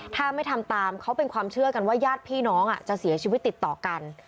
ถ้าไม่ทำตามเขาเป็นความเชื่อกันว่าญาติพี่น้องจะเสียชีวิตติดต่อกัน